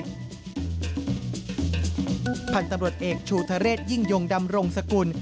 พันธุ์ตำรวจเอกชูทเรศยิ่งยงดำรงสกุล